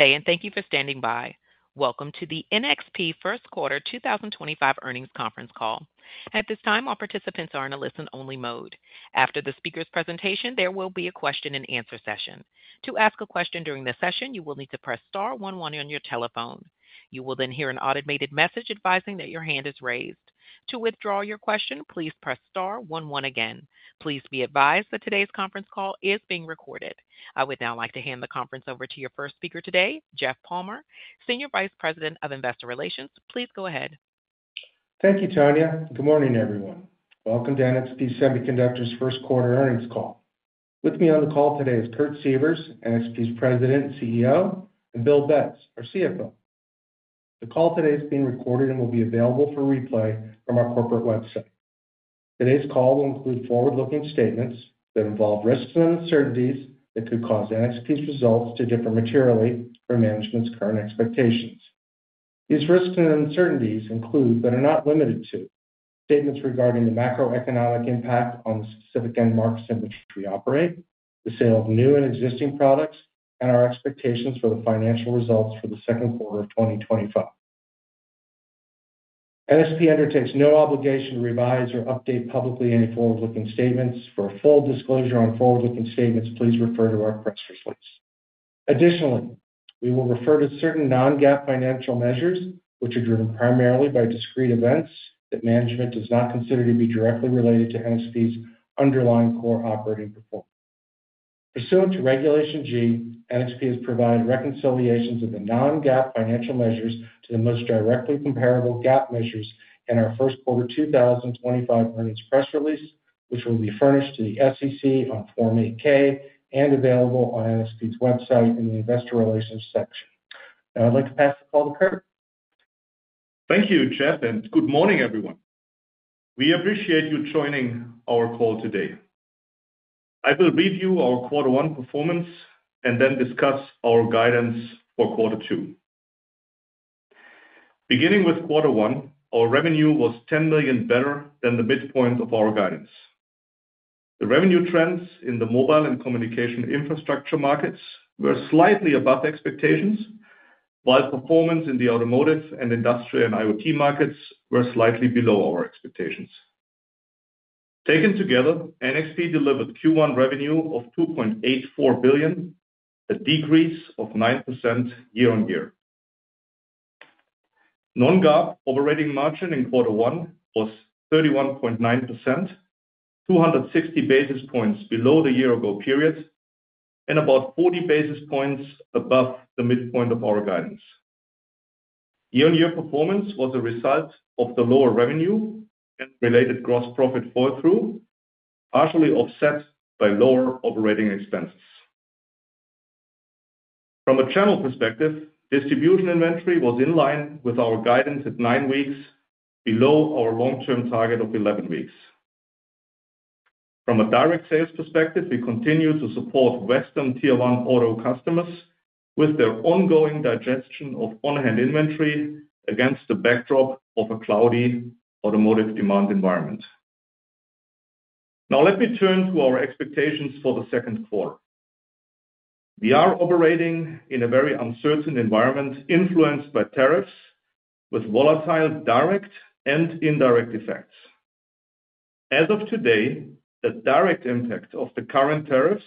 Day and thank you for standing by. Welcome to the NXP First Quarter 2025 Earnings Conference Call. At this time, all participants are in a listen-only mode. After the speaker's presentation, there will be a question and answer session. To ask a question during the session, you will need to press star one one on your telephone. You will then hear an automated message advising that your hand is raised. To withdraw your question, please press star one one again. Please be advised that today's conference call is being recorded. I would now like to hand the conference over to your first speaker today, Jeff Palmer, Senior Vice President of Investor Relations. Please go ahead. Thank you, Tonia. Good morning, everyone. Welcome to NXP Semiconductors First Quarter Earnings Call. With me on the call today is Kurt Sievers, NXP's President and CEO, and Bill Betz, our CFO. The call today is being recorded and will be available for replay from our corporate website. Today's call will include forward-looking statements that involve risks and uncertainties that could cause NXP's results to differ materially from management's current expectations. These risks and uncertainties include, but are not limited to, statements regarding the macroeconomic impact on the specific end markets in which we operate, the sale of new and existing products, and our expectations for the financial results for the second quarter of 2025. NXP undertakes no obligation to revise or update publicly any forward-looking statements. For full disclosure on forward-looking statements, please refer to our press release. Additionally, we will refer to certain non-GAAP financial measures, which are driven primarily by discrete events that management does not consider to be directly related to NXP's underlying core operating performance. Pursuant to Regulation G, NXP has provided reconciliations of the non-GAAP financial measures to the most directly comparable GAAP measures in our First Quarter 2025 earnings press release, which will be furnished to the SEC on Form 8K and available on NXP's website in the Investor Relations section. Now, I'd like to pass the call to Kurt. Thank you, Jeff, and good morning, everyone. We appreciate you joining our call today. I will read you our Quarter One performance and then discuss our guidance for Quarter Two. Beginning with Quarter One, our revenue was $10 million better than the midpoint of our guidance. The revenue trends in the mobile and communication infrastructure markets were slightly above expectations, while performance in the automotive and industrial and IoT markets was slightly below our expectations. Taken together, NXP delivered Q1 revenue of $2.84 billion, a decrease of 9% year-on-year. Non-GAAP operating margin in Quarter One was 31.9%, 260 basis points below the year-ago period and about 40 basis points above the midpoint of our guidance. Year-on-year performance was a result of the lower revenue and related gross profit fall-through, partially offset by lower operating expenses. From a channel perspective, distribution inventory was in line with our guidance at nine weeks, below our long-term target of 11 weeks. From a direct sales perspective, we continue to support Western Tier 1 auto customers with their ongoing digestion of on-hand inventory against the backdrop of a cloudy automotive demand environment. Now, let me turn to our expectations for the second quarter. We are operating in a very uncertain environment influenced by tariffs, with volatile direct and indirect effects. As of today, the direct impact of the current tariffs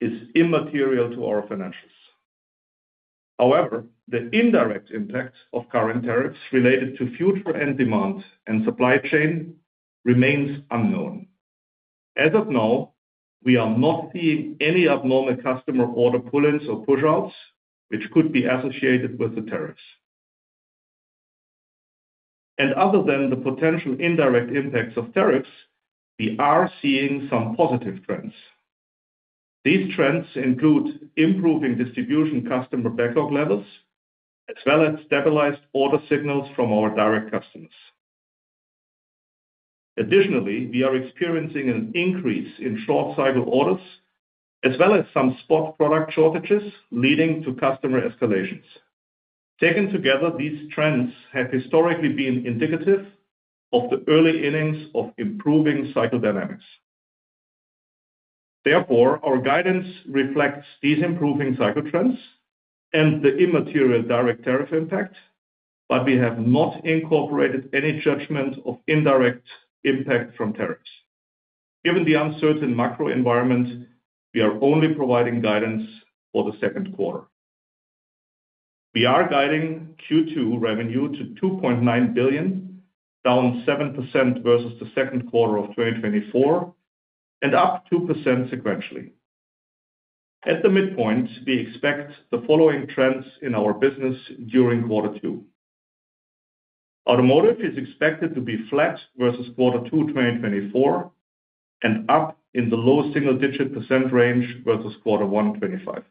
is immaterial to our financials. However, the indirect impact of current tariffs related to future end demand and supply chain remains unknown. As of now, we are not seeing any abnormal customer order pullings or push-outs, which could be associated with the tariffs. Other than the potential indirect impacts of tariffs, we are seeing some positive trends. These trends include improving distribution customer backlog levels, as well as stabilized order signals from our direct customers. Additionally, we are experiencing an increase in short-cycle orders, as well as some spot product shortages leading to customer escalations. Taken together, these trends have historically been indicative of the early innings of improving cycle dynamics. Therefore, our guidance reflects these improving cycle trends and the immaterial direct tariff impact, but we have not incorporated any judgment of indirect impact from tariffs. Given the uncertain macro environment, we are only providing guidance for the second quarter. We are guiding Q2 revenue to $2.9 billion, down 7% versus the second quarter of 2024, and up 2% sequentially. At the midpoint, we expect the following trends in our business during Quarter Two. Automotive is expected to be flat versus Quarter Two 2024 and up in the low single-digit percent range versus Quarter One 2025.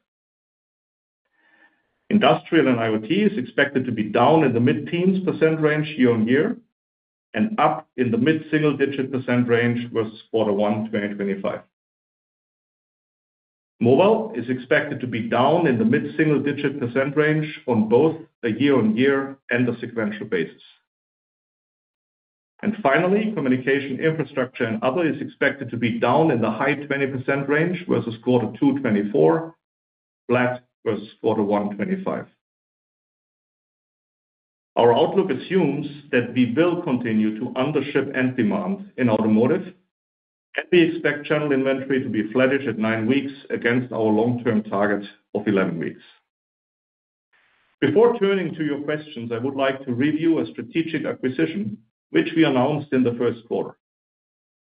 Industrial and IoT is expected to be down in the mid-teens percent range year-on-year and up in the mid-single-digit percent range versus Quarter One 2025. Mobile is expected to be down in the mid-single-digit percent range on both a year-on-year and a sequential basis. Finally, communication infrastructure and other is expected to be down in the high 20% range versus Quarter Two 2024, flat versus Quarter One 2025. Our outlook assumes that we will continue to undership end demand in automotive, and we expect channel inventory to be flat at nine weeks against our long-term target of 11 weeks. Before turning to your questions, I would like to review a strategic acquisition which we announced in the first quarter.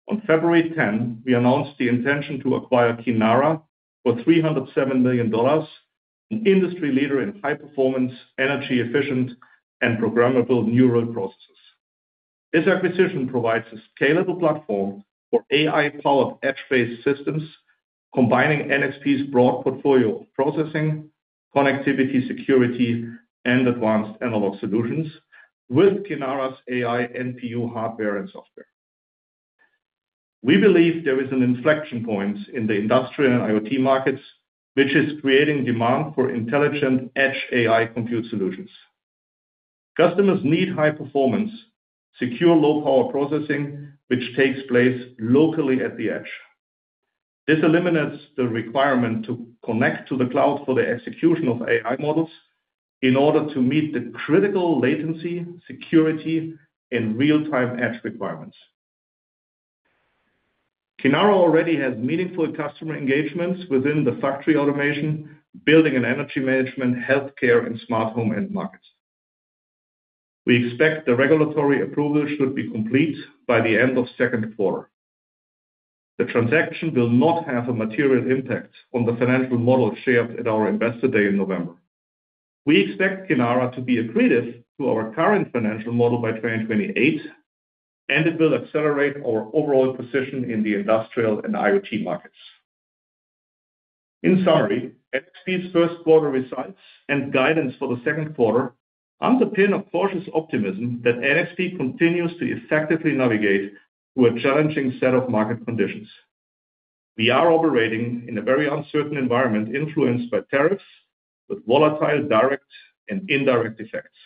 On February 10, we announced the intention to acquire Kinara for $307 million, an industry leader in high-performance, energy-efficient, and programmable neural processors. This acquisition provides a scalable platform for AI-powered edge-based systems, combining NXP's broad portfolio of processing, connectivity, security, and advanced analog solutions with Kinara's AI NPU hardware and software. We believe there is an inflection point in the industrial and IoT markets, which is creating demand for intelligent edge AI compute solutions. Customers need high-performance, secure low-power processing, which takes place locally at the edge. This eliminates the requirement to connect to the cloud for the execution of AI models in order to meet the critical latency, security, and real-time edge requirements. Kinara already has meaningful customer engagements within the factory automation, building, and energy management, healthcare, and smart home end markets. We expect the regulatory approval should be complete by the end of the second quarter. The transaction will not have a material impact on the financial model shared at our investor day in November. We expect Kinara to be accretive to our current financial model by 2028, and it will accelerate our overall position in the industrial and IoT markets. In summary, NXP's first quarter results and guidance for the second quarter underpin a cautious optimism that NXP continues to effectively navigate through a challenging set of market conditions. We are operating in a very uncertain environment influenced by tariffs, with volatile direct and indirect effects.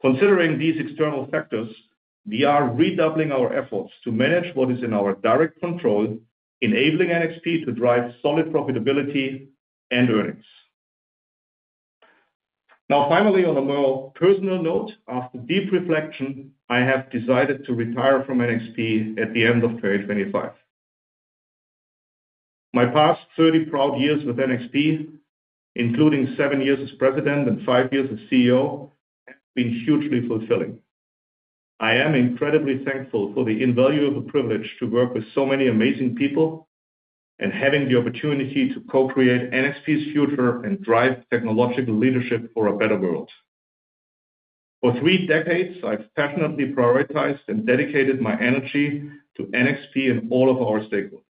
Considering these external factors, we are redoubling our efforts to manage what is in our direct control, enabling NXP to drive solid profitability and earnings. Now, finally, on a more personal note, after deep reflection, I have decided to retire from NXP at the end of 2025. My past 30 proud years with NXP, including seven years as President and five years as CEO, have been hugely fulfilling. I am incredibly thankful for the invaluable privilege to work with so many amazing people and having the opportunity to co-create NXP's future and drive technological leadership for a better world. For three decades, I've passionately prioritized and dedicated my energy to NXP and all of our stakeholders.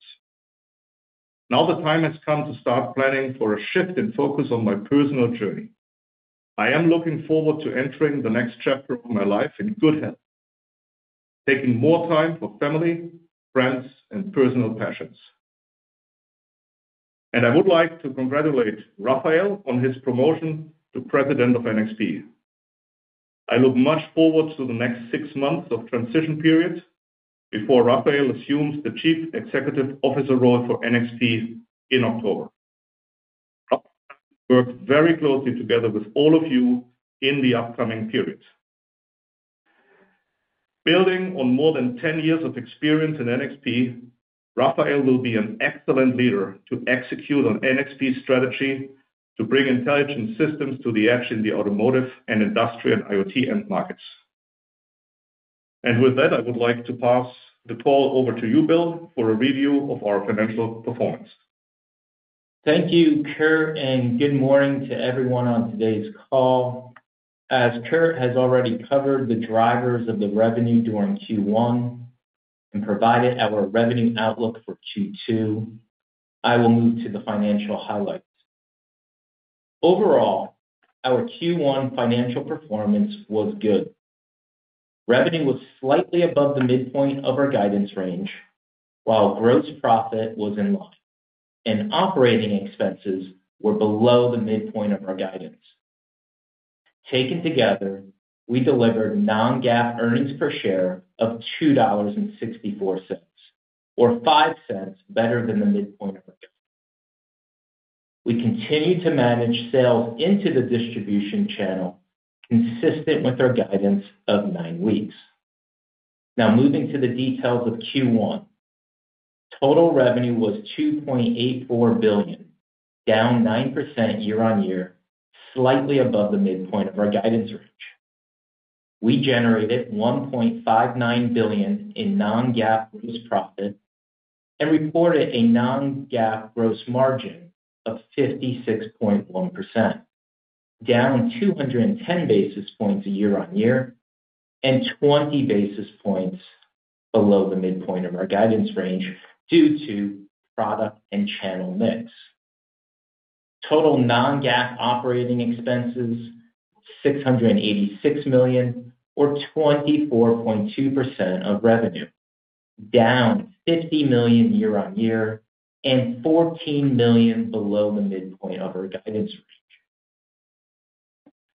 Now the time has come to start planning for a shift and focus on my personal journey. I am looking forward to entering the next chapter of my life in good health, taking more time for family, friends, and personal passions. I would like to congratulate Rafael on his promotion to President of NXP. I look much forward to the next six months of transition period before Rafael assumes the Chief Executive Officer role for NXP in October. Rafael will work very closely together with all of you in the upcoming period. Building on more than 10 years of experience in NXP, Rafael will be an excellent leader to execute on NXP's strategy to bring intelligent systems to the edge in the automotive and industrial and IoT end markets. With that, I would like to pass the call over to you, Bill, for a review of our financial performance. Thank you, Kurt, and good morning to everyone on today's call. As Kurt has already covered the drivers of the revenue during Q1 and provided our revenue outlook for Q2, I will move to the financial highlights. Overall, our Q1 financial performance was good. Revenue was slightly above the midpoint of our guidance range, while gross profit was in line, and operating expenses were below the midpoint of our guidance. Taken together, we delivered non-GAAP earnings per share of $2.64, or 5 cents better than the midpoint of our guidance. We continue to manage sales into the distribution channel consistent with our guidance of nine weeks. Now, moving to the details of Q1. Total revenue was $2.84 billion, down 9% year-on-year, slightly above the midpoint of our guidance range. We generated $1.59 billion in non-GAAP gross profit and reported a non-GAAP gross margin of 56.1%, down 210 basis points year-on-year and 20 basis points below the midpoint of our guidance range due to product and channel mix. Total non-GAAP operating expenses was $686 million, or 24.2% of revenue, down $50 million year-on-year and $14 million below the midpoint of our guidance range.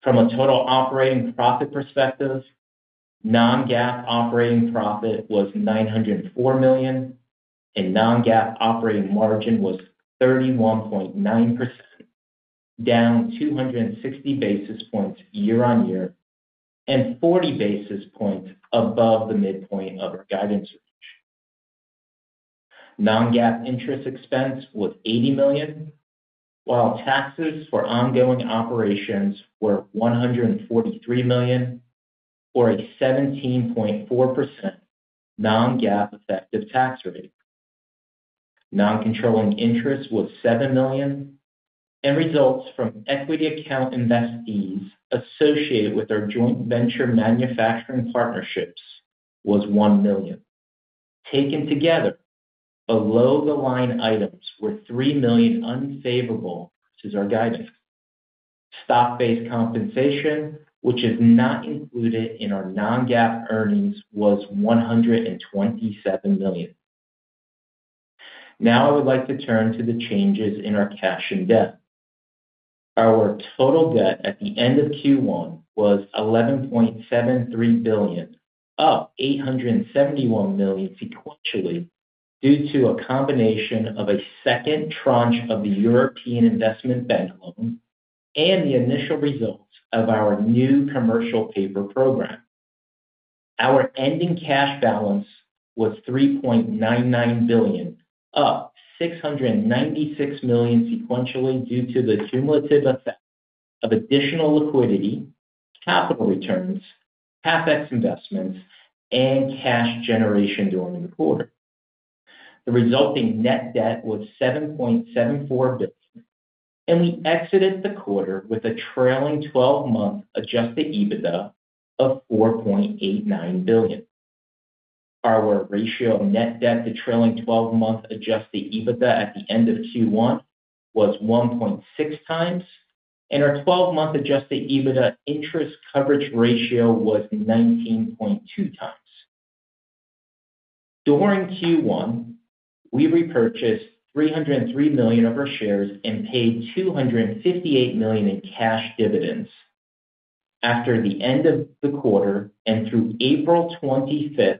From a total operating profit perspective, non-GAAP operating profit was $904 million, and non-GAAP operating margin was 31.9%, down 260 basis points year-on-year and 40 basis points above the midpoint of our guidance range. Non-GAAP interest expense was $80 million, while taxes for ongoing operations were $143 million, or a 17.4% non-GAAP effective tax rate. Non-controlling interest was $7 million, and results from equity account invest fees associated with our joint venture manufacturing partnerships was $1 million. Taken together, below-the-line items were $3 million unfavorable versus our guidance. Stock-based compensation, which is not included in our non-GAAP earnings, was $127 million. Now, I would like to turn to the changes in our cash and debt. Our total debt at the end of Q1 was $11.73 billion, up $871 million sequentially due to a combination of a second tranche of the European Investment Bank loan and the initial results of our new commercial paper program. Our ending cash balance was $3.99 billion, up $696 million sequentially due to the cumulative effect of additional liquidity, capital returns, CapEx investments, and cash generation during the quarter. The resulting net debt was $7.74 billion, and we exited the quarter with a trailing 12-month adjusted EBITDA of $4.89 billion. Our ratio of net debt to trailing 12-month adjusted EBITDA at the end of Q1 was 1.6 times, and our 12-month adjusted EBITDA interest coverage ratio was 19.2 times. During Q1, we repurchased $303 million of our shares and paid $258 million in cash dividends. After the end of the quarter and through April 25,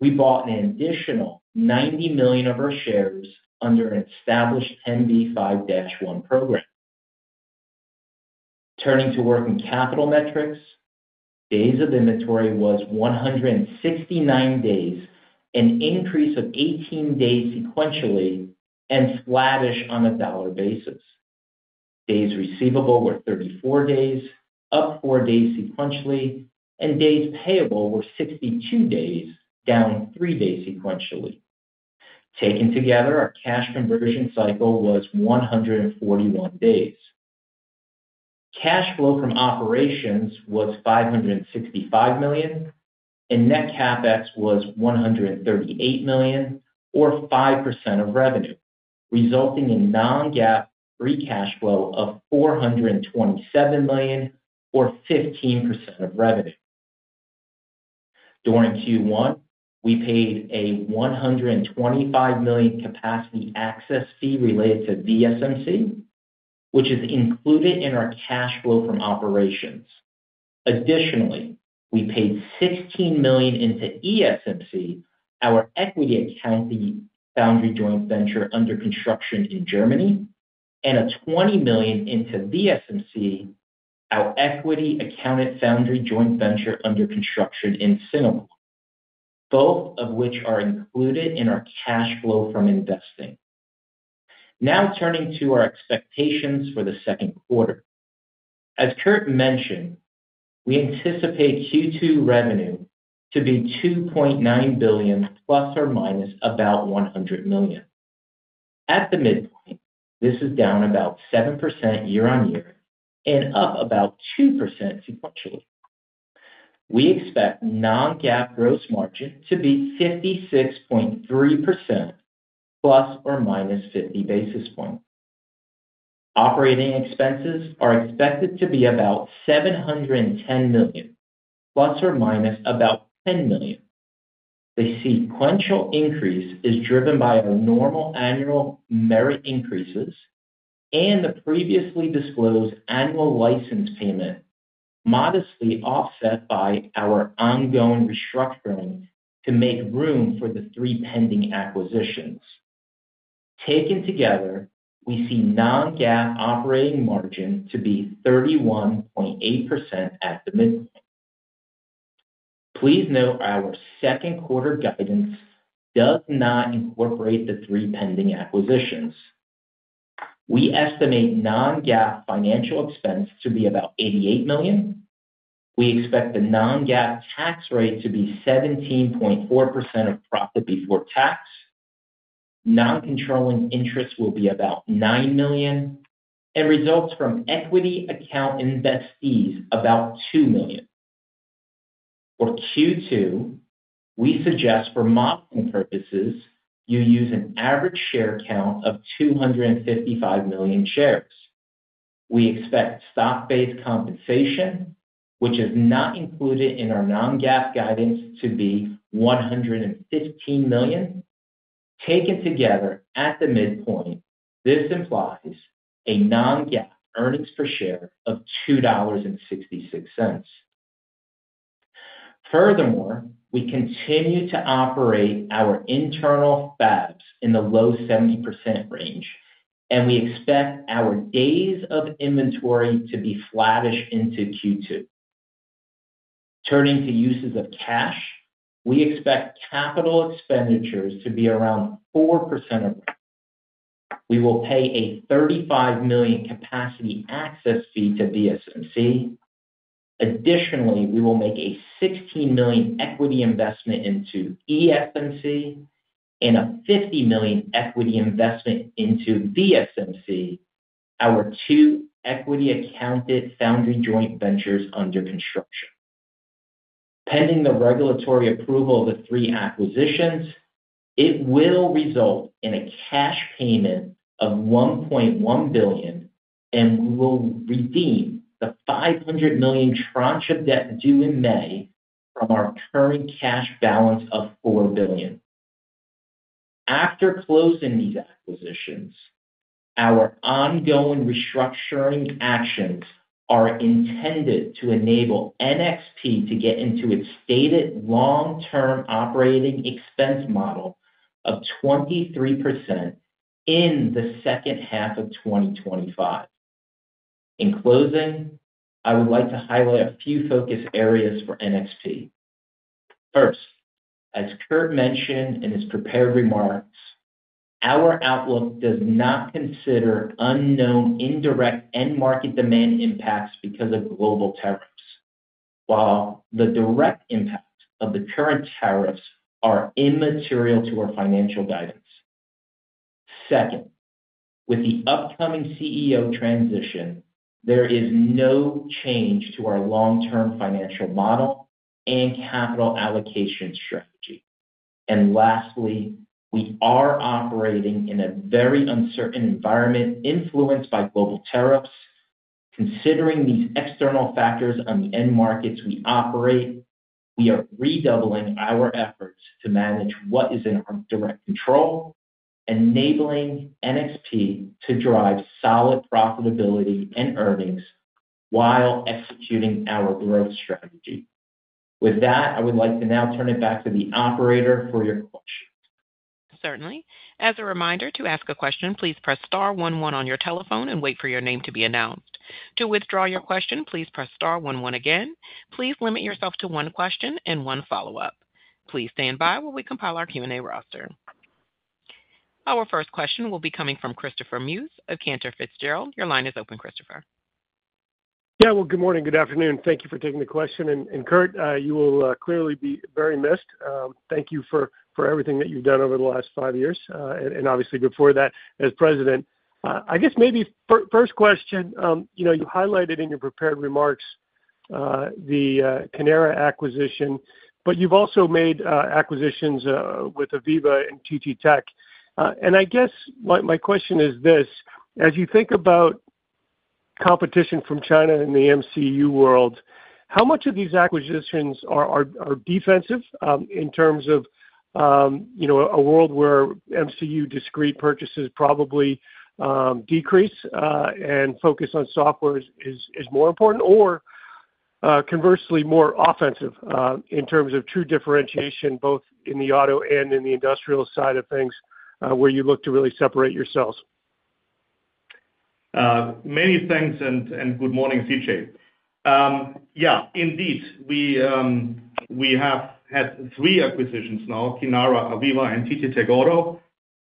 we bought an additional $90 million of our shares under an established 10B5-1 program. Turning to working capital metrics, days of inventory was 169 days, an increase of 18 days sequentially and flattish on a dollar basis. Days receivable were 34 days, up 4 days sequentially, and days payable were 62 days, down 3 days sequentially. Taken together, our cash conversion cycle was 141 days. Cash flow from operations was $565 million, and net CapEx was $138 million, or 5% of revenue, resulting in non-GAAP free cash flow of $427 million, or 15% of revenue. During Q1, we paid a $125 million capacity access fee related to VSMC, which is included in our cash flow from operations. Additionally, we paid $16 million into ESMC, our equity-accounted foundry joint venture under construction in Germany, and $20 million into VSMC, our equity-accounted foundry joint venture under construction in Singapore, both of which are included in our cash flow from investing. Now, turning to our expectations for the second quarter. As Kurt mentioned, we anticipate Q2 revenue to be $2.9 billion, plus or minus about $100 million. At the midpoint, this is down about 7% year-on-year and up about 2% sequentially. We expect non-GAAP gross margin to be 56.3%, plus or minus 50 basis points. Operating expenses are expected to be about $710 million, plus or minus about $10 million. The sequential increase is driven by our normal annual merit increases and the previously disclosed annual license payment, modestly offset by our ongoing restructuring to make room for the three pending acquisitions. Taken together, we see non-GAAP operating margin to be 31.8% at the midpoint. Please note our second quarter guidance does not incorporate the three pending acquisitions. We estimate non-GAAP financial expense to be about $88 million. We expect the non-GAAP tax rate to be 17.4% of profit before tax. Non-controlling interest will be about $9 million, and results from equity account invest fees about $2 million. For Q2, we suggest for modeling purposes, you use an average share count of 255 million shares. We expect stock-based compensation, which is not included in our non-GAAP guidance, to be $115 million. Taken together, at the midpoint, this implies a non-GAAP earnings per share of $2.66. Furthermore, we continue to operate our internal fabs in the low 70% range, and we expect our days of inventory to be flattish into Q2. Turning to uses of cash, we expect capital expenditures to be around 4% of revenue. We will pay a $35 million capacity access fee to VSMC. Additionally, we will make a $16 million equity investment into ESMC and a $50 million equity investment into VSMC, our two equity-accounted foundry joint ventures under construction. Pending the regulatory approval of the three acquisitions, it will result in a cash payment of $1.1 billion, and we will redeem the $500 million tranche of debt due in May from our current cash balance of $4 billion. After closing these acquisitions, our ongoing restructuring actions are intended to enable NXP to get into its stated long-term operating expense model of 23% in the second half of 2025. In closing, I would like to highlight a few focus areas for NXP. First, as Kurt mentioned in his prepared remarks, our outlook does not consider unknown indirect and market demand impacts because of global tariffs, while the direct impact of the current tariffs is immaterial to our financial guidance. Second, with the upcoming CEO transition, there is no change to our long-term financial model and capital allocation strategy. Lastly, we are operating in a very uncertain environment influenced by global tariffs. Considering these external factors on the end markets we operate, we are redoubling our efforts to manage what is in our direct control, enabling NXP to drive solid profitability and earnings while executing our growth strategy. With that, I would like to now turn it back to the operator for your questions. Certainly. As a reminder, to ask a question, please press star one one on your telephone and wait for your name to be announced. To withdraw your question, please press star one one again. Please limit yourself to one question and one follow-up. Please stand by while we compile our Q&A roster. Our first question will be coming from Christopher Muse of Cantor Fitzgerald. Your line is open, Christopher. Yeah, good morning, good afternoon. Thank you for taking the question. Kurt, you will clearly be very missed. Thank you for everything that you've done over the last five years, and obviously before that as President. I guess maybe first question, you highlighted in your prepared remarks the Kinara acquisition, but you've also made acquisitions with Aviva and TTTech. I guess my question is this: as you think about competition from China in the MCU world, how much of these acquisitions are defensive in terms of a world where MCU discrete purchases probably decrease and focus on software is more important, or, conversely, more offensive in terms of true differentiation, both in the auto and in the industrial side of things, where you look to really separate yourselves? Many thanks and good morning, CJ. Yeah, indeed, we have had three acquisitions now: Kinara, Aviva Links, and TTTech Auto.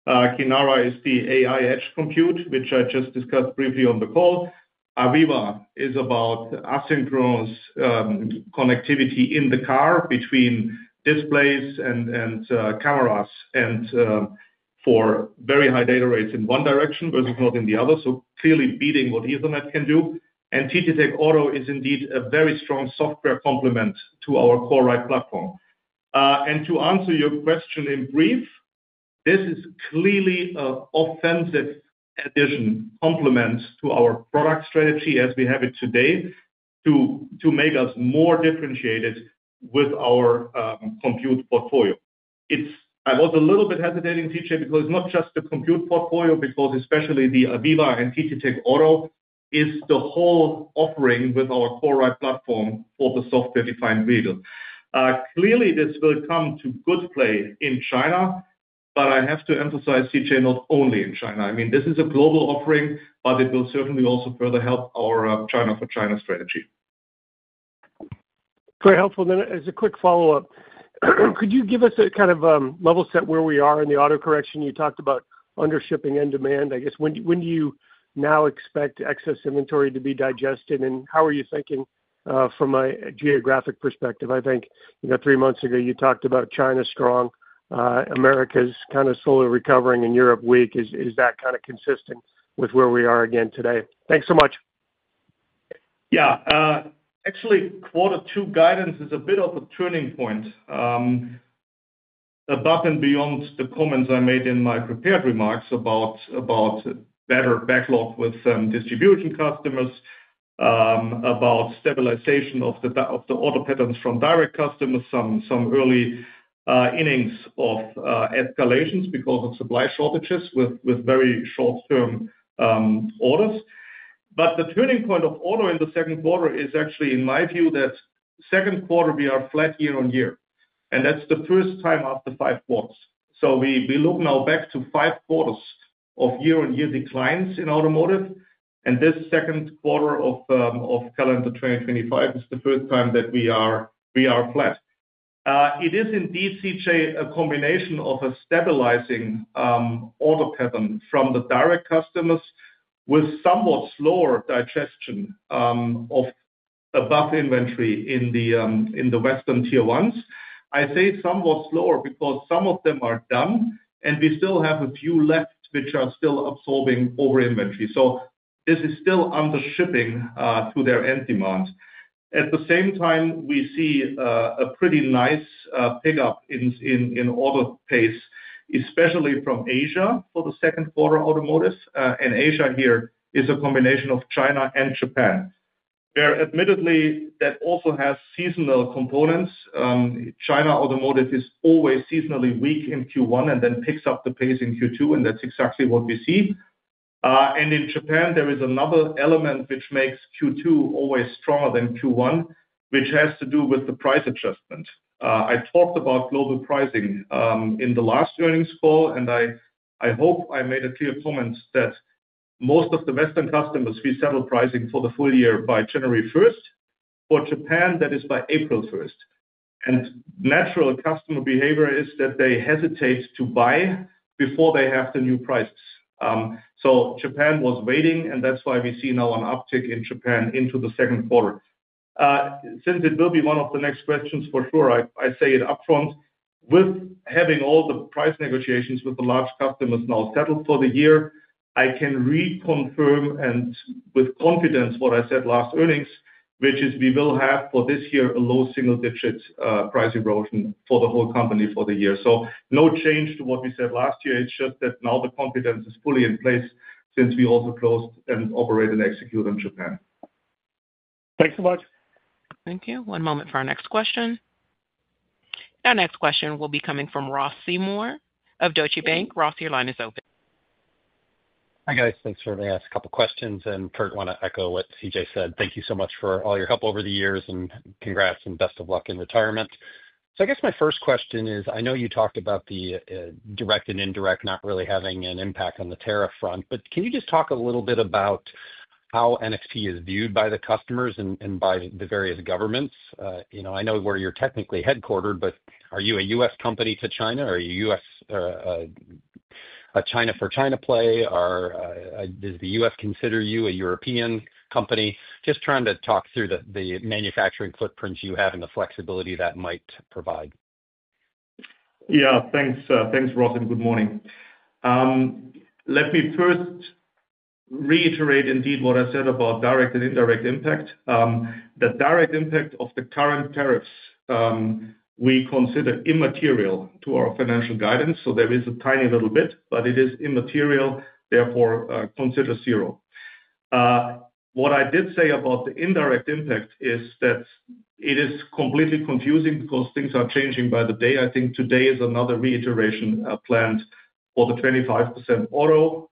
Kinara is the AI edge compute, which I just discussed briefly on the call. Aviva Links is about asynchronous connectivity in the car between displays and cameras and for very high data rates in one direction versus not in the other, so clearly beating what Ethernet can do. TTTech Auto is indeed a very strong software complement to our CoreRide platform. To answer your question in brief, this is clearly an offensive addition, complement to our product strategy as we have it today to make us more differentiated with our compute portfolio. I was a little bit hesitating, CJ, because it is not just the compute portfolio, because especially Aviva Links and TTTech Auto is the whole offering with our CoreRide platform for the software-defined vehicle. Clearly, this will come to good play in China, but I have to emphasize, CJ, not only in China. I mean, this is a global offering, but it will certainly also further help our China for China strategy. Very helpful. Then, as a quick follow-up, could you give us a kind of level set where we are in the auto correction? You talked about undershipping and demand. I guess, when do you now expect excess inventory to be digested? How are you thinking from a geographic perspective? I think three months ago, you talked about China strong, America's kind of slowly recovering, and Europe weak. Is that kind of consistent with where we are again today? Thanks so much. Yeah, actually, quarter two guidance is a bit of a turning point above and beyond the comments I made in my prepared remarks about better backlog with distribution customers, about stabilization of the order patterns from direct customers, some early innings of escalations because of supply shortages with very short-term orders. The turning point of auto in the second quarter is actually, in my view, that second quarter, we are flat year-on-year.. That is the first time after five quarters. We look now back to five quarters of year-on-year declines in automotive. This second quarter of calendar 2025 is the first time that we are flat. It is indeed, CJ, a combination of a stabilizing order pattern from the direct customers with somewhat slower digestion of above inventory in the Western tier ones. I say somewhat slower because some of them are done, and we still have a few left which are still absorbing over inventory. This is still undershipping to their end demands. At the same time, we see a pretty nice pickup in order pace, especially from Asia for the second quarter automotive. Asia here is a combination of China and Japan. Admittedly, that also has seasonal components. China automotive is always seasonally weak in Q1 and then picks up the pace in Q2, and that's exactly what we see. In Japan, there is another element which makes Q2 always stronger than Q1, which has to do with the price adjustment. I talked about global pricing in the last earnings call, and I hope I made a clear comment that most of the Western customers resettle pricing for the full year by January 1st For Japan, that is by April 1st. Natural customer behavior is that they hesitate to buy before they have the new price. Japan was waiting, and that is why we see now an uptick in Japan into the second quarter. Since it will be one of the next questions, for sure, I say it upfront. With having all the price negotiations with the large customers now settled for the year, I can reconfirm and with confidence what I said last earnings, which is we will have for this year a low single-digit price erosion for the whole company for the year. No change to what we said last year. It is just that now the confidence is fully in place since we also closed and operate and execute in Japan. Thanks so much. Thank you. One moment for our next question. Our next question will be coming from Ross Seymore of Deutsche Bank. Ross, your line is open. Hi guys. Thanks for letting me ask a couple of questions. Kurt, I want to echo what CJ said. Thank you so much for all your help over the years, and congrats, and best of luck in retirement. I guess my first question is, I know you talked about the direct and indirect not really having an impact on the tariff front, but can you just talk a little bit about how NXP is viewed by the customers and by the various governments? I know where you're technically headquartered, but are you a US company to China? Are you a China for China play? Does the US consider you a European company? Just trying to talk through the manufacturing footprints you have and the flexibility that might provide. Yeah, thanks, Ross, and good morning. Let me first reiterate indeed what I said about direct and indirect impact. The direct impact of the current tariffs we consider immaterial to our financial guidance. There is a tiny little bit, but it is immaterial. Therefore, consider zero. What I did say about the indirect impact is that it is completely confusing because things are changing by the day. I think today is another reiteration planned for the 25% auto.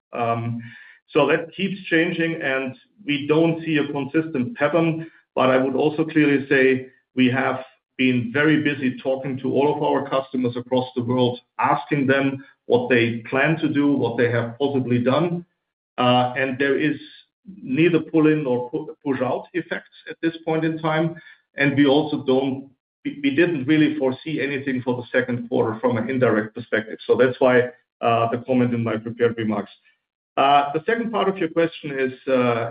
That keeps changing, and we don't see a consistent pattern. I would also clearly say we have been very busy talking to all of our customers across the world, asking them what they plan to do, what they have possibly done. There is neither pull-in nor push-out effects at this point in time. also don't—we did not really foresee anything for the second quarter from an indirect perspective. That is why the comment in my prepared remarks. The second part of your question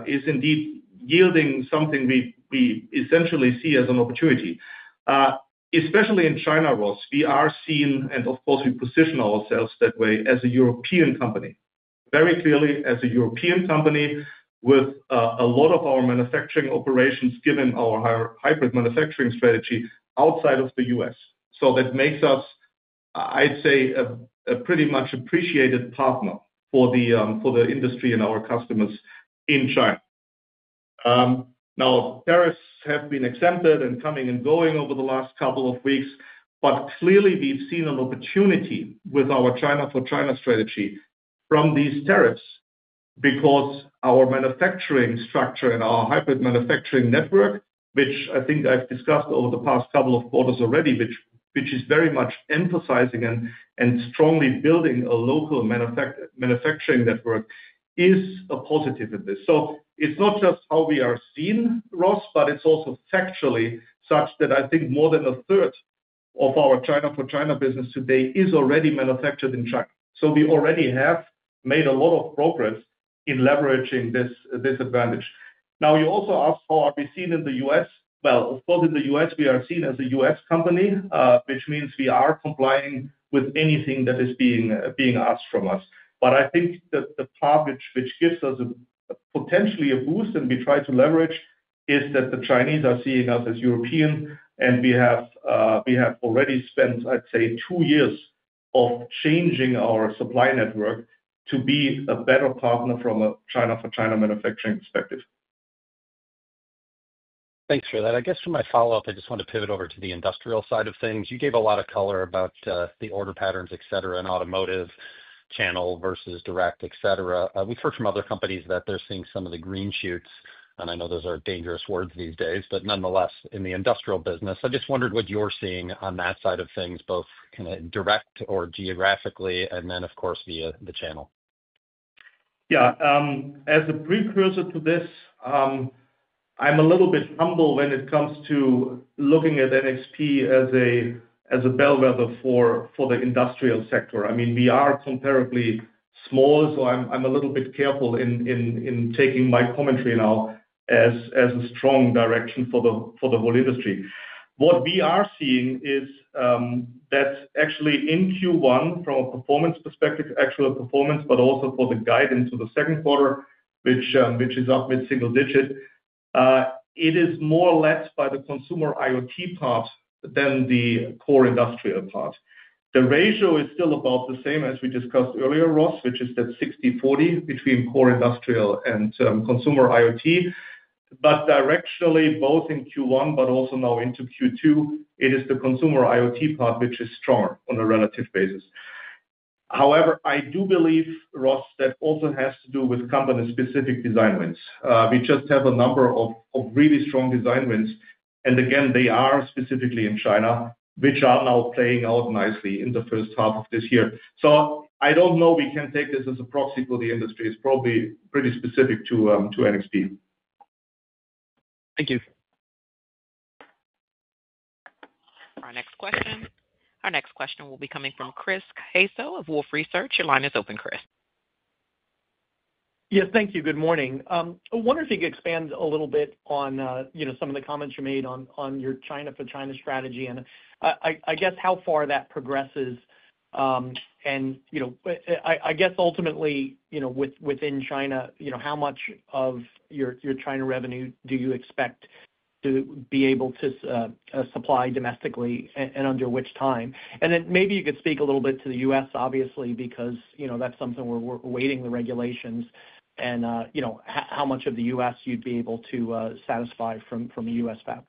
is indeed yielding something we essentially see as an opportunity, especially in China, Ross. We are seen, and of course, we position ourselves that way as a European company, very clearly as a European company with a lot of our manufacturing operations given our hybrid manufacturing strategy outside of the U.S. That makes us, I would say, a pretty much appreciated partner for the industry and our customers in China. Now, tariffs have been exempted and coming and going over the last couple of weeks, but clearly we've seen an opportunity with our China for China strategy from these tariffs because our manufacturing structure and our hybrid manufacturing network, which I think I've discussed over the past couple of quarters already, which is very much emphasizing and strongly building a local manufacturing network, is a positive in this. It is not just how we are seen, Ross, but it is also factually such that I think more than a third of our China for China business today is already manufactured in China. We already have made a lot of progress in leveraging this advantage. You also asked how are we seen in the U.S. Of course, in the U.S., we are seen as a U.S. company, which means we are complying with anything that is being asked from us. I think that the part which gives us potentially a boost and we try to leverage is that the Chinese are seeing us as European, and we have already spent, I'd say, two years of changing our supply network to be a better partner from a China for China manufacturing perspective. Thanks for that. I guess for my follow-up, I just want to pivot over to the industrial side of things. You gave a lot of color about the order patterns, etc., and automotive channel versus direct, etc. We've heard from other companies that they're seeing some of the green shoots. I know those are dangerous words these days, but nonetheless, in the industrial business, I just wondered what you're seeing on that side of things, both kind of direct or geographically, and then, of course, via the channel. Yeah, as a precursor to this, I'm a little bit humble when it comes to looking at NXP as a bellwether for the industrial sector. I mean, we are comparably small, so I'm a little bit careful in taking my commentary now as a strong direction for the whole industry. What we are seeing is that actually in Q1, from a performance perspective, actual performance, but also for the guidance to the second quarter, which is up mid-single digit, it is more left by the consumer IoT part than the core industrial part. The ratio is still about the same as we discussed earlier, Ross, which is that 60/40 between core industrial and consumer IoT. Directionally, both in Q1, but also now into Q2, it is the consumer IoT part which is stronger on a relative basis. However, I do believe, Ross, that also has to do with company-specific design wins. We just have a number of really strong design wins. Again, they are specifically in China, which are now playing out nicely in the first half of this year. I don't know. We can take this as a proxy for the industry. It is probably pretty specific to NXP. Thank you. Our next question. Our next question will be coming from Chris Caso of Wolfe Research. Your line is open, Chris. Yes, thank you. Good morning. I wonder if you could expand a little bit on some of the comments you made on your China for China strategy. I guess how far that progresses. I guess ultimately, within China, how much of your China revenue do you expect to be able to supply domestically and under which time? Maybe you could speak a little bit to the U.S., obviously, because that's something we're awaiting the regulations and how much of the U.S. you'd be able to satisfy from a U.S. fab?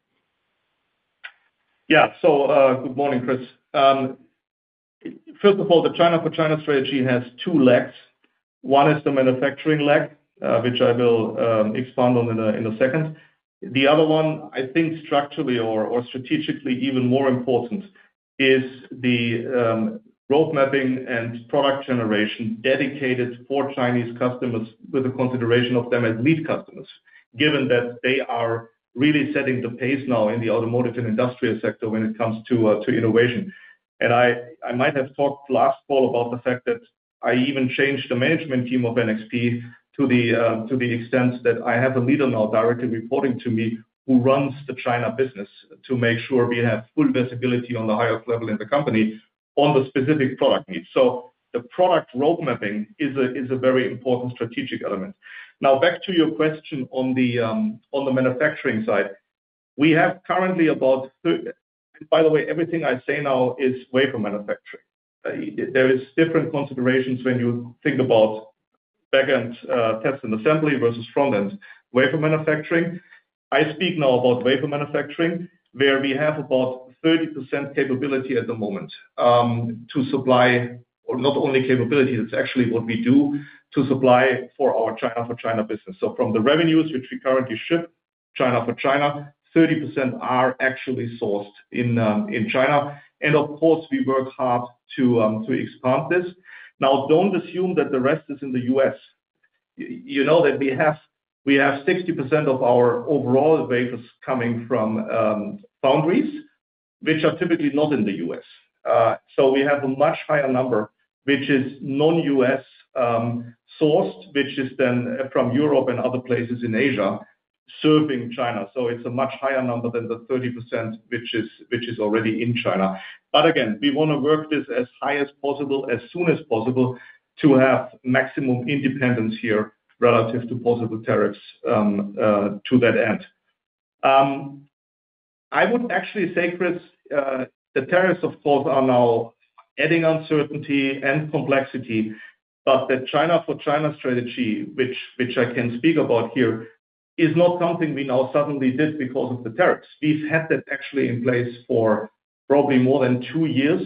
Yeah, so good morning, Chris. First of all, the China for China strategy has two legs. One is the manufacturing leg, which I will expand on in a second. The other one, I think structurally or strategically even more important, is the roadmapping and product generation dedicated for Chinese customers with the consideration of them as lead customers, given that they are really setting the pace now in the automotive and industrial sector when it comes to innovation. I might have talked last fall about the fact that I even changed the management team of NXP to the extent that I have a leader now directly reporting to me who runs the China business to make sure we have full visibility on the highest level in the company on the specific product needs. The product roadmapping is a very important strategic element. Now, back to your question on the manufacturing side. We have currently about—by the way, everything I say now is wafer manufacturing. There are different considerations when you think about back-end test and assembly versus front-end wafer manufacturing. I speak now about wafer manufacturing, where we have about 30% capability at the moment to supply not only capability. It's actually what we do to supply for our China for China business. So from the revenues which we currently ship, China for China, 30% are actually sourced in China. Of course, we work hard to expand this. Now, don't assume that the rest is in the U.S. You know that we have 60% of our overall wafers coming from foundries, which are typically not in the U.S. We have a much higher number, which is non-U.S. sourced, which is then from Europe and other places in Asia serving China. It's a much higher number than the 30%, which is already in China. Again, we want to work this as high as possible, as soon as possible, to have maximum independence here relative to possible tariffs. To that end, I would actually say, Chris, the tariffs, of course, are now adding uncertainty and complexity, but the China for China strategy, which I can speak about here, is not something we now suddenly did because of the tariffs. We've had that actually in place for probably more than two years,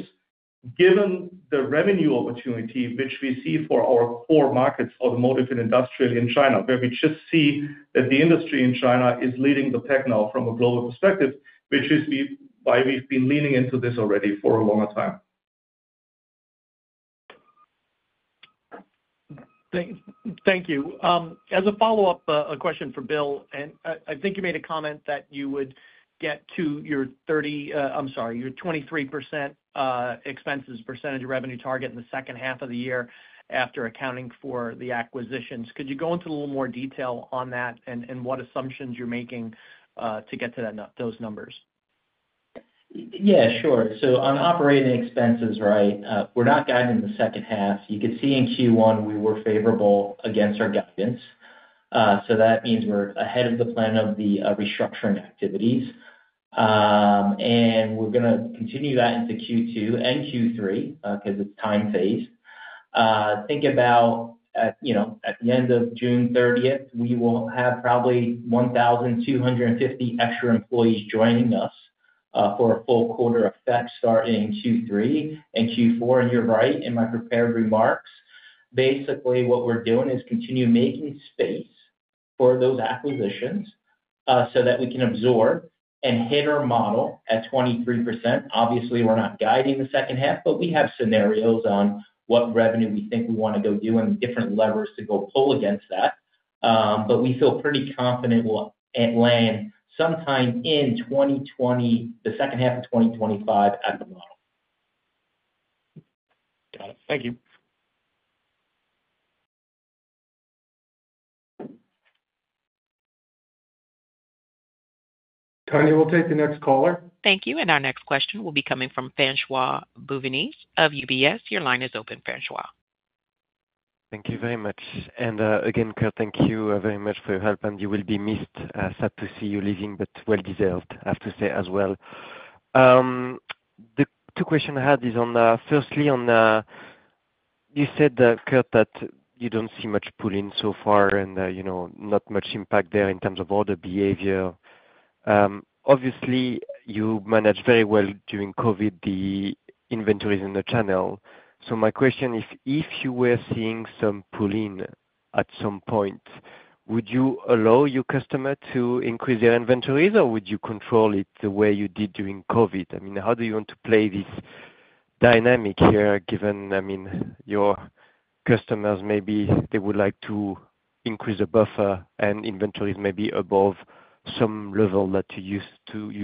given the revenue opportunity which we see for our core markets, automotive and industrial in China, where we just see that the industry in China is leading the pack now from a global perspective, which is why we've been leaning into this already for a longer time. Thank you. As a follow-up, a question for Bill. I think you made a comment that you would get to your 23% expenses percentage of revenue target in the second half of the year after accounting for the acquisitions. Could you go into a little more detail on that and what assumptions you're making to get to those numbers? Yeah, sure. On operating expenses, right, we're not guiding the second half. You could see in Q1 we were favorable against our guidance. That means we're ahead of the plan of the restructuring activities. We're going to continue that into Q2 and Q3 because it's time phased. Think about at the end of June 30, we will have probably 1,250 extra employees joining us for a full quarter effect starting Q3 and Q4. You're right in my prepared remarks. Basically, what we're doing is continue making space for those acquisitions so that we can absorb and hit our model at 23%. Obviously, we're not guiding the second half, but we have scenarios on what revenue we think we want to go do and different levers to go pull against that. We feel pretty confident we'll land sometime in the second half of 2025 at the model. Got it. Thank you. Tonia, we'll take the next caller. Thank you. Our next question will be coming from François Bouvignies of UBS. Your line is open, François. Thank you very much. Kurt, thank you very much for your help. You will be missed. Sad to see you leaving, but well-deserved, I have to say as well. The two questions I had is firstly, you said, Kurt, that you don't see much pull-in so far and not much impact there in terms of order behavior. Obviously, you managed very well during COVID the inventories in the channel. My question is, if you were seeing some pull-in at some point, would you allow your customer to increase their inventories, or would you control it the way you did during COVID? I mean, how do you want to play this dynamic here given, I mean, your customers maybe they would like to increase the buffer and inventories maybe above some level that you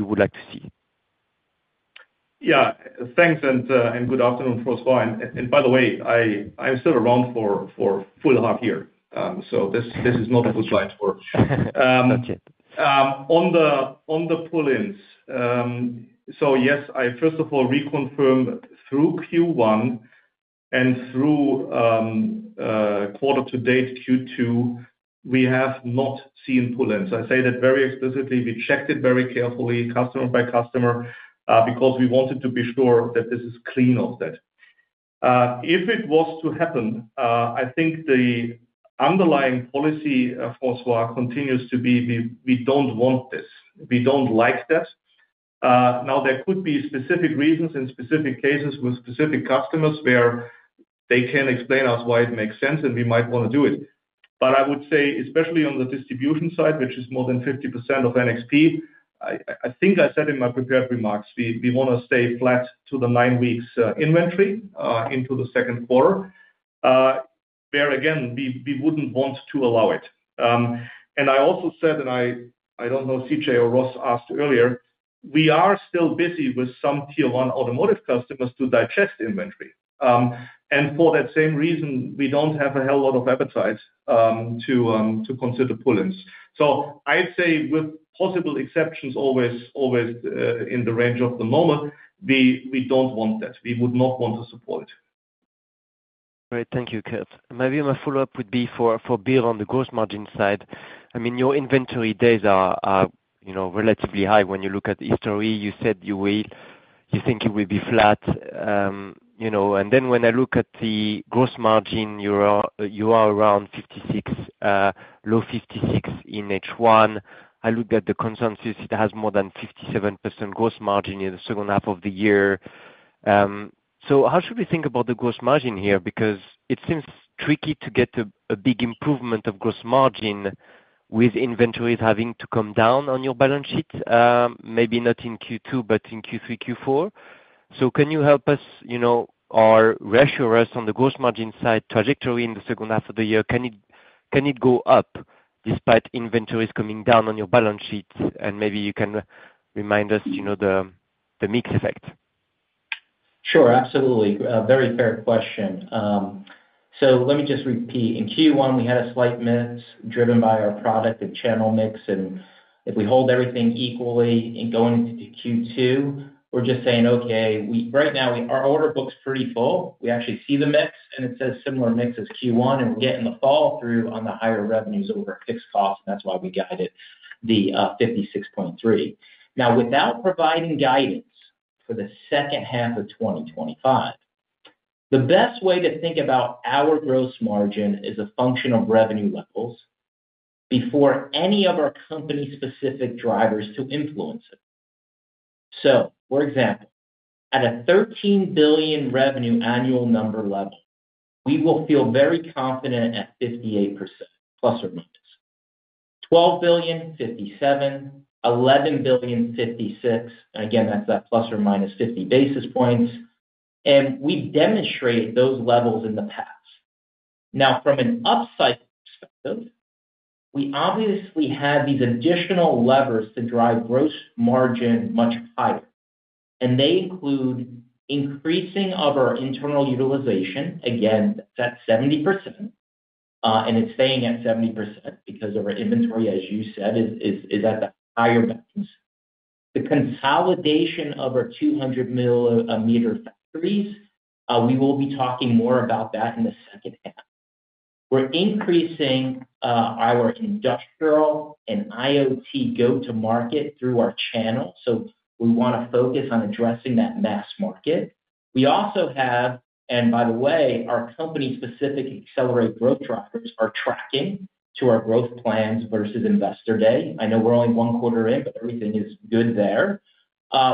would like to see? Yeah, thanks. Good afternoon, François. By the way, I'm still around for a full half year. This is not a good time for. That's it. On the pull-ins, yes, I first of all reconfirmed through Q1 and through quarter to date Q2, we have not seen pull-ins. I say that very explicitly. We checked it very carefully, customer by customer, because we wanted to be sure that this is clean of that. If it was to happen, I think the underlying policy, François continues to be we don't want this. We don't like that. Now, there could be specific reasons in specific cases with specific customers where they can explain to us why it makes sense, and we might want to do it. I would say, especially on the distribution side, which is more than 50% of NXP, I think I said in my prepared remarks, we want to stay flat to the nine-weeks inventory into the second quarter, where again, we would not want to allow it. I also said, and I don't know if CJ or Ross asked earlier, we are still busy with some Tier 1 automotive customers to digest inventory. For that same reason, we don't have a hell of a lot of appetite to consider pull-ins. I'd say with possible exceptions always in the range of the normal, we don't want that. We would not want to support it. All right. Thank you, Kurt. Maybe my follow-up would be for Bill on the gross margin side. I mean, your inventory days are relatively high when you look at history. You said you think you will be flat. I mean, when I look at the gross margin, you are around 56, low 56 in H1. I look at the consensus. It has more than 57% gross margin in the second half of the year. How should we think about the gross margin here? Because it seems tricky to get a big improvement of gross margin with inventories having to come down on your balance sheet, maybe not in Q2, but in Q3, Q4. Can you help us or reassure us on the gross margin side trajectory in the second half of the year? Can it go up despite inventories coming down on your balance sheet? Maybe you can remind us the mix effect. Sure. Absolutely. Very fair question. Let me just repeat. In Q1, we had a slight mix driven by our product and channel mix. If we hold everything equally and go into Q2, we're just saying, "Okay, right now our order book's pretty full. We actually see the mix, and it says similar mix as Q1, and we'll get in the fall through on the higher revenues over fixed costs." That is why we guided the 56.3. Now, without providing guidance for the second half of 2025, the best way to think about our gross margin is a function of revenue levels before any of our company-specific drivers to influence it. For example, at a $13 billion revenue annual number level, we will feel very confident at 58%, plus or minus. $12 billion, 57%, $11 billion, 56%. Again, that's that plus or minus 50 basis points. We have demonstrated those levels in the past. Now, from an upside perspective, we obviously have these additional levers to drive gross margin much higher. They include increasing our internal utilization, again, that is at 70%. It is staying at 70% because our inventory, as you said, is at the higher bounds. The consolidation of our 200-millimeter factories, we will be talking more about that in the second half. We are increasing our industrial and IoT go-to-market through our channel. We want to focus on addressing that mass market. We also have, and by the way, our company-specific accelerate growth drivers are tracking to our growth plans versus investor day. I know we are only one quarter in, but everything is good there.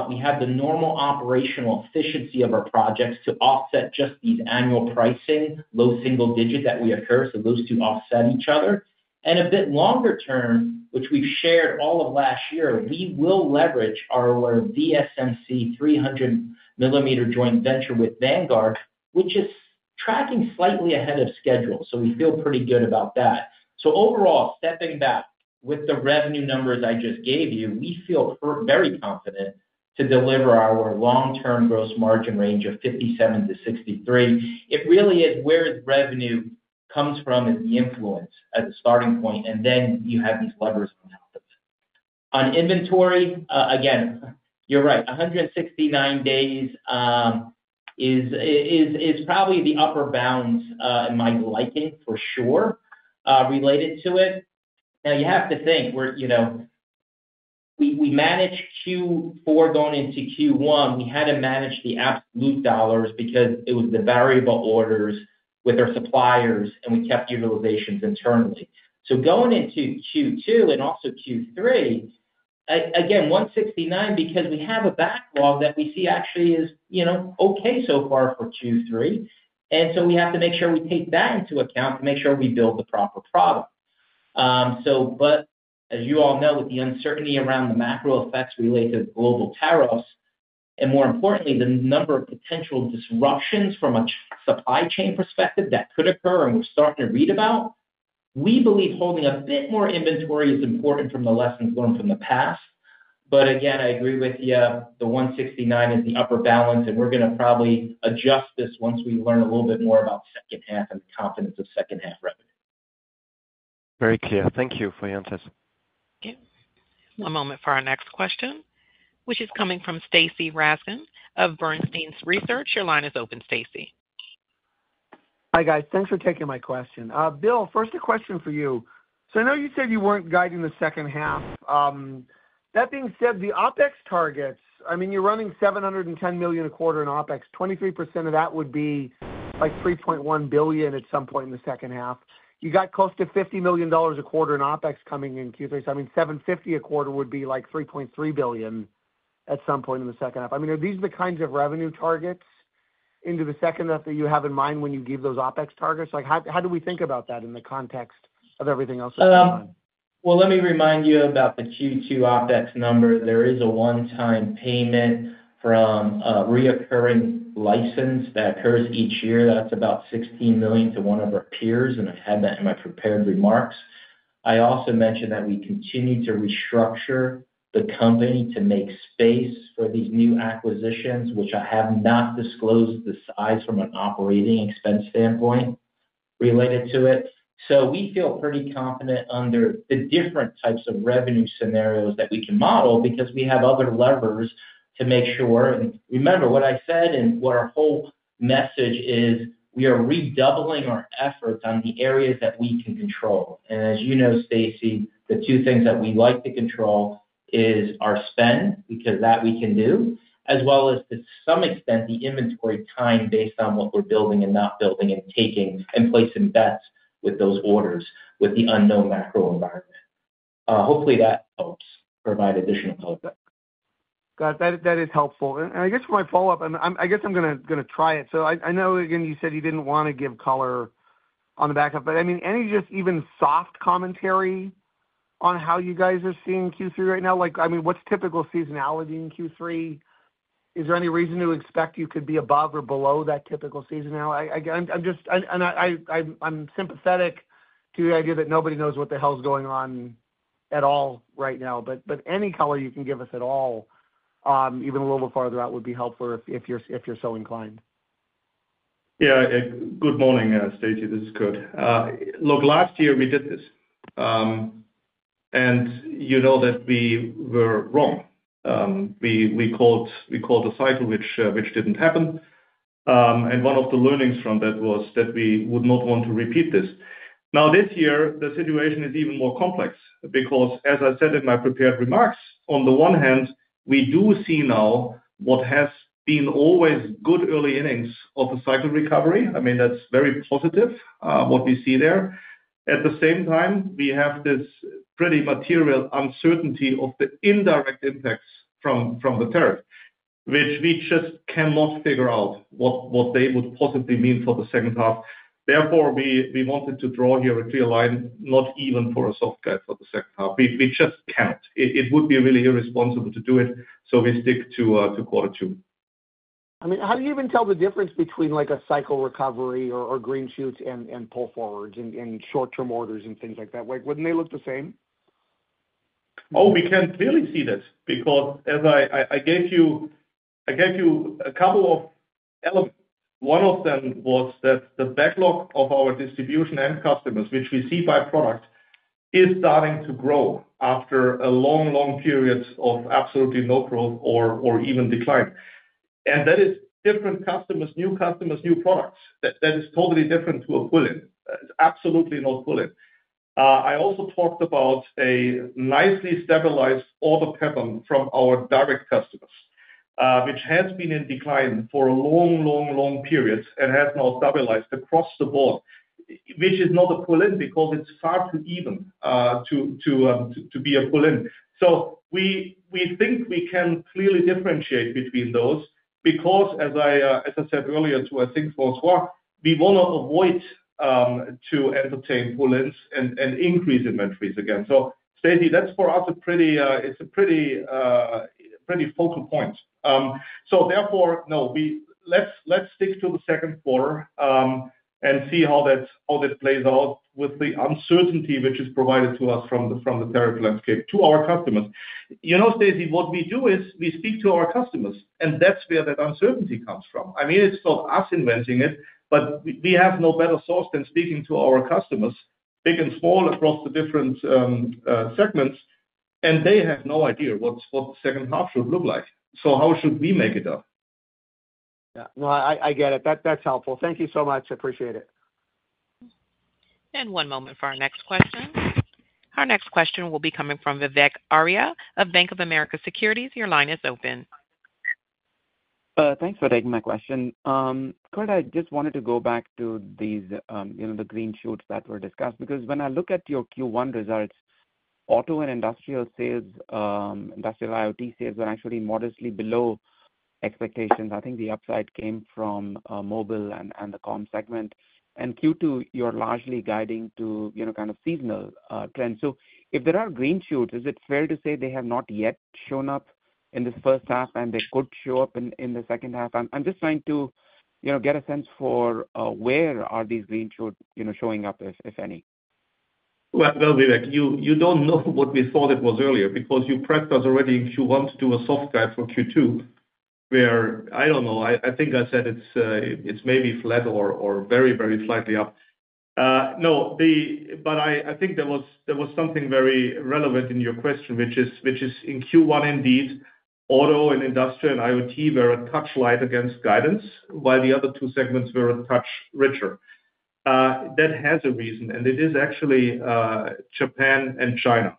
We have the normal operational efficiency of our projects to offset just these annual pricing, low single digit that we occur. Those two offset each other. A bit longer term, which we've shared all of last year, we will leverage our VSMC 300-millimeter joint venture with Vanguard, which is tracking slightly ahead of schedule. We feel pretty good about that. Overall, stepping back with the revenue numbers I just gave you, we feel very confident to deliver our long-term gross margin range of 57-63%. It really is where revenue comes from is the influence as a starting point. Then you have these levers on top of it. On inventory, again, you're right. 169 days is probably the upper bound in my liking for sure related to it. You have to think we managed Q4 going into Q1. We had to manage the absolute dollars because it was the variable orders with our suppliers, and we kept utilizations internally. Going into Q2 and also Q3, again, 169 because we have a backlog that we see actually is okay so far for Q3. We have to make sure we take that into account to make sure we build the proper product. As you all know, with the uncertainty around the macro effects related to global tariffs and, more importantly, the number of potential disruptions from a supply chain perspective that could occur and we are starting to read about, we believe holding a bit more inventory is important from the lessons learned from the past. Again, I agree with you, the 169 is the upper balance, and we are going to probably adjust this once we learn a little bit more about second half and the confidence of second half revenue. Very clear. Thank you for your answers. Thank you. One moment for our next question, which is coming from Stacy Rasgon of Bernstein Research. Your line is open, Stacy. Hi guys. Thanks for taking my question. Bill, first, a question for you. I know you said you were not guiding the second half. That being said, the OPEX targets, I mean, you are running $710 million a quarter in OPEX. 23% of that would be like $3.1 billion at some point in the second half. You got close to $50 million a quarter in OPEX coming in Q3. I mean, $750 million a quarter would be like $3.3 billion at some point in the second half. I mean, are these the kinds of revenue targets into the second half that you have in mind when you give those OPEX targets? How do we think about that in the context of everything else that is going on? Let me remind you about the Q2 OPEX number. There is a one-time payment from a recurring license that occurs each year. That's about $16 million to one of our peers, and I had that in my prepared remarks. I also mentioned that we continue to restructure the company to make space for these new acquisitions, which I have not disclosed the size from an operating expense standpoint related to it. We feel pretty confident under the different types of revenue scenarios that we can model because we have other levers to make sure. Remember what I said and what our whole message is, we are redoubling our efforts on the areas that we can control. As you know, Stacy, the two things that we like to control is our spend because that we can do, as well as to some extent the inventory time based on what we're building and not building and taking and placing bets with those orders with the unknown macro environment. Hopefully, that helps provide additional context. Got it. That is helpful. I guess for my follow-up, I am going to try it. I know, again, you said you did not want to give color on the backup. I mean, any just even soft commentary on how you guys are seeing Q3 right now? I mean, what is typical seasonality in Q3? Is there any reason to expect you could be above or below that typical seasonality? I am sympathetic to the idea that nobody knows what the hell is going on at all right now. Any color you can give us at all, even a little bit farther out, would be helpful if you are so inclined. Yeah. Good morning, Stacy. This is Kurt. Look, last year, we did this. And you know that we were wrong. We called a cycle, which did not happen. One of the learnings from that was that we would not want to repeat this. Now, this year, the situation is even more complex because, as I said in my prepared remarks, on the one hand, we do see now what has been always good early innings of the cycle recovery. I mean, that is very positive, what we see there. At the same time, we have this pretty material uncertainty of the indirect impacts from the tariff, which we just cannot figure out what they would possibly mean for the second half. Therefore, we wanted to draw here a clear line, not even for a soft cut for the second half. We just cannot. It would be really irresponsible to do it. We stick to quarter two. I mean, how do you even tell the difference between a cycle recovery or green shoots and pull forwards and short-term orders and things like that? Wouldn't they look the same? Oh, we can clearly see that because I gave you a couple of elements. One of them was that the backlog of our distribution and customers, which we see by product, is starting to grow after a long, long period of absolutely no growth or even decline. That is different customers, new customers, new products. That is totally different to a pull-in. It's absolutely not pull-in. I also talked about a nicely stabilized order pattern from our direct customers, which has been in decline for a long, long, long period and has now stabilized across the board, which is not a pull-in because it's far too even to be a pull-in. We think we can clearly differentiate between those because, as I said earlier too, I think François, we want to avoid entertaining pull-ins and increasing inventories again. Stacy, that's for us a pretty focal point. Therefore, no, let's stick to the second quarter and see how that plays out with the uncertainty which is provided to us from the tariff landscape to our customers. Stacy, what we do is we speak to our customers, and that's where that uncertainty comes from. I mean, it's not us inventing it, but we have no better source than speaking to our customers, big and small across the different segments, and they have no idea what the second half should look like. So how should we make it up? Yeah. No, I get it. That's helpful. Thank you so much. Appreciate it. One moment for our next question. Our next question will be coming from Vivek Arya of Bank of America Securities. Your line is open. Thanks for taking my question. Kurt, I just wanted to go back to the green shoots that were discussed because when I look at your Q1 results, auto and industrial sales, industrial IoT sales were actually modestly below expectations. I think the upside came from mobile and the comm segment. Q2, you're largely guiding to kind of seasonal trends. If there are green shoots, is it fair to say they have not yet shown up in the first half, and they could show up in the second half? I'm just trying to get a sense for where are these green shoots showing up, if any? Vivek, you don't know what we thought it was earlier because you pressed us already if you want to do a soft cut for Q2, where I don't know. I think I said it is maybe flat or very, very slightly up. No, I think there was something very relevant in your question, which is in Q1, indeed, auto and industrial and IoT were a touch light against guidance, while the other two segments were a touch richer. That has a reason, and it is actually Japan and China.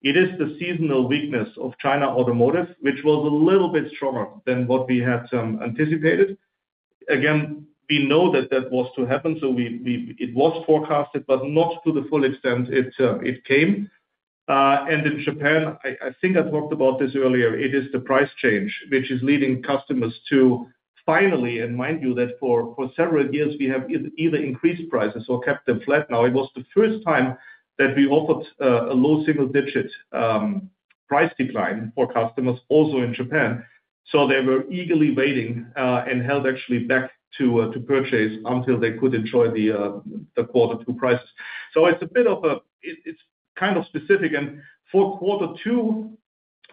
It is the seasonal weakness of China automotive, which was a little bit stronger than what we had anticipated. Again, we know that that was to happen, so it was forecasted, but not to the full extent it came. In Japan, I think I talked about this earlier, it is the price change, which is leading customers to finally, and mind you, that for several years, we have either increased prices or kept them flat. Now, it was the first time that we offered a low single-digit price decline for customers also in Japan. They were eagerly waiting and held actually back to purchase until they could enjoy the quarter two prices. It is a bit of a, it is kind of specific. For quarter two,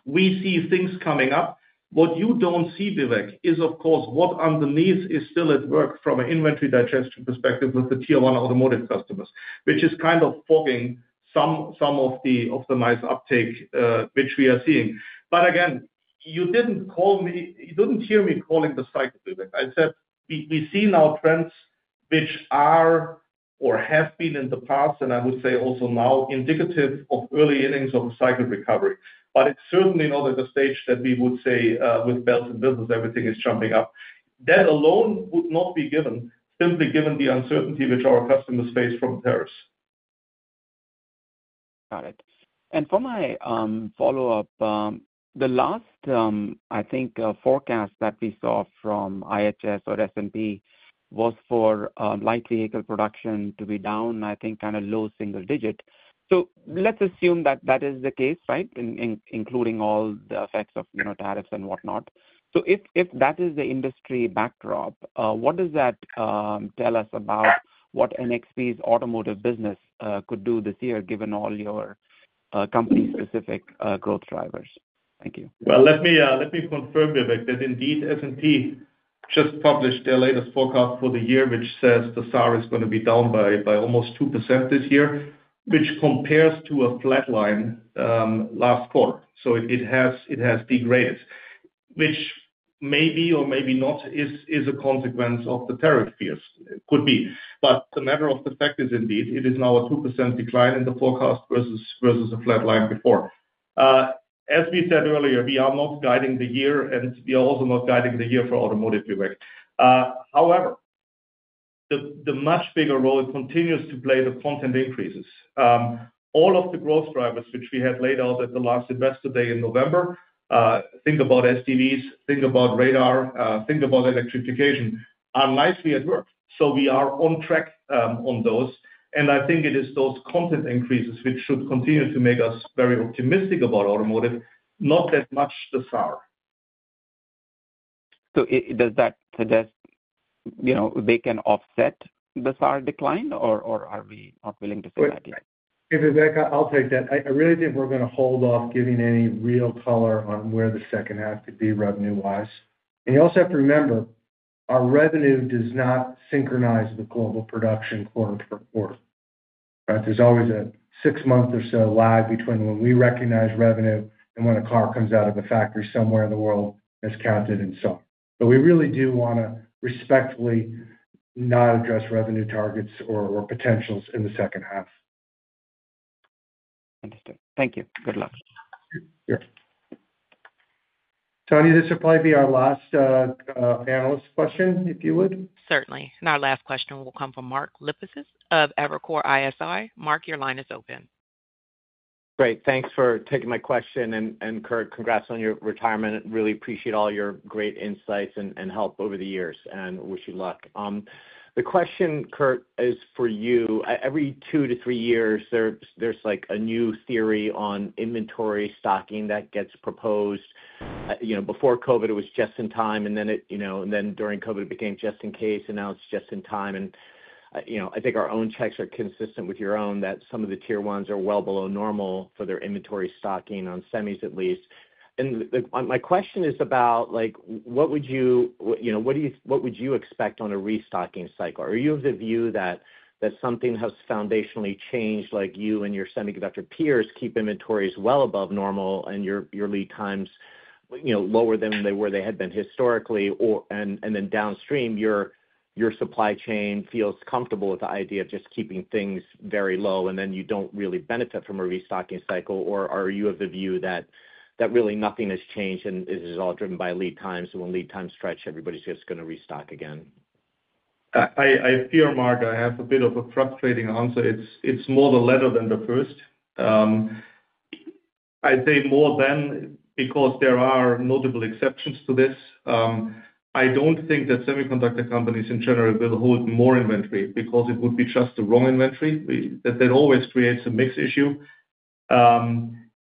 we see things coming up. What you don't see, Vivek, is, of course, what underneath is still at work from an inventory digestion perspective with the tier one automotive customers, which is kind of fogging some of the nice uptake which we are seeing. Again, you did not hear me calling the cycle, Vivek. I said we see now trends which are or have been in the past, and I would say also now indicative of early innings of a cycle recovery. It is certainly not at the stage that we would say with bells and whistles, everything is jumping up. That alone would not be given, simply given the uncertainty which our customers face from Paris. Got it. For my follow-up, the last, I think, forecast that we saw from IHS or S&P was for light vehicle production to be down, I think, kind of low single digit. Let's assume that that is the case, right, including all the effects of tariffs and whatnot. If that is the industry backdrop, what does that tell us about what NXP's automotive business could do this year, given all your company-specific growth drivers? Thank you. Let me confirm, Vivek, that indeed S&P just published their latest forecast for the year, which says the SAAR is going to be down by almost 2% this year, which compares to a flat line last quarter. It has degraded, which maybe or maybe not is a consequence of the tariff fears. It could be. The matter of the fact is indeed it is now a 2% decline in the forecast versus a flat line before. As we said earlier, we are not guiding the year, and we are also not guiding the year for automotive, Vivek. However, the much bigger role it continues to play, the content increases. All of the growth drivers which we had laid out at the last Investor Day in November, think about SDVs, think about radar, think about electrification, are nicely at work. We are on track on those. I think it is those content increases which should continue to make us very optimistic about automotive, not that much the SAR. Does that suggest they can offset the SAAR decline, or are we not willing to say that yet? Hey, Vivek, I'll take that. I really think we're going to hold off giving any real color on where the second half could be revenue-wise. You also have to remember, our revenue does not synchronize to global production quarter per quarter. There's always a six-month or so lag between when we recognize revenue and when a car comes out of the factory somewhere in the world and is counted and so. We really do want to respectfully not address revenue targets or potentials in the second half. Understood. Thank you. Good luck. Here. Tonia, this will probably be our last panelist question, if you would. Certainly. Our last question will come from Mark Lipacis of Evercore ISI. Mark, your line is open. Great. Thanks for taking my question. Kurt, congrats on your retirement. Really appreciate all your great insights and help over the years, and wish you luck. The question, Kurt, is for you. Every two to three years, there's a new theory on inventory stocking that gets proposed. Before COVID, it was just in time, and during COVID, it became just in case, and now it's just in time. I think our own checks are consistent with your own, that some of the tier ones are well below normal for their inventory stocking on semis, at least. My question is about what would you expect on a restocking cycle? Are you of the view that something has foundationally changed, like you and your semiconductor peers keep inventories well above normal and your lead times lower than they had been historically, and then downstream, your supply chain feels comfortable with the idea of just keeping things very low, and then you don't really benefit from a restocking cycle? Or are you of the view that really nothing has changed and it is all driven by lead times, and when lead times stretch, everybody is just going to restock again? I fear, Mark, I have a bit of a frustrating answer. It's more the latter than the first. I'd say more than because there are notable exceptions to this. I don't think that semiconductor companies in general will hold more inventory because it would be just the wrong inventory. That always creates a mixed issue.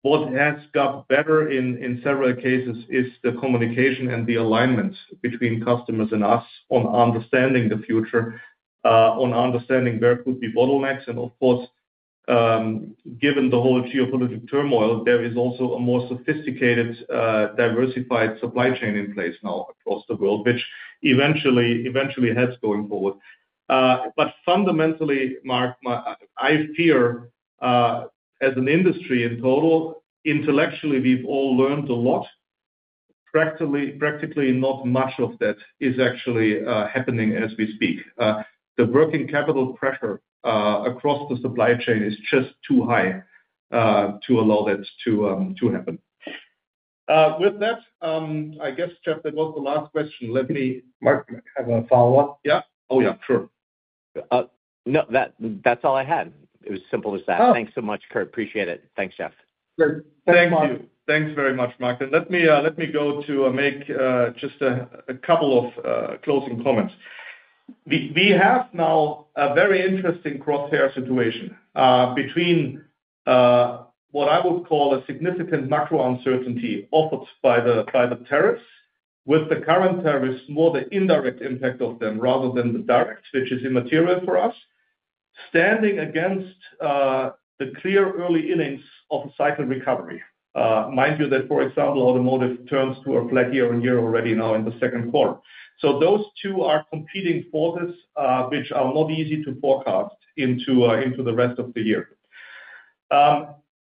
What has got better in several cases is the communication and the alignment between customers and us on understanding the future, on understanding where could be bottlenecks. Of course, given the whole geopolitical turmoil, there is also a more sophisticated, diversified supply chain in place now across the world, which eventually helps going forward. Fundamentally, Mark, I fear as an industry in total, intellectually, we've all learned a lot. Practically, not much of that is actually happening as we speak. The working capital pressure across the supply chain is just too high to allow that to happen. With that, I guess, Jeff, that was the last question. Let me, Mark, have a follow-up? Yeah. Oh, yeah. Sure. No, that's all I had. It was simple as that. Thanks so much, Kurt. Appreciate it. Thanks, Jeff. Thank you. Thanks very much, Mark. Let me go to make just a couple of closing comments. We have now a very interesting crosshair situation between what I would call a significant macro uncertainty offered by the tariffs with the current tariffs, more the indirect impact of them rather than the direct, which is immaterial for us, standing against the clear early innings of a cycle recovery. Mind you that, for example, automotive turns to a flat year-on-year. already now in the second quarter. Those two are competing forces which are not easy to forecast into the rest of the year.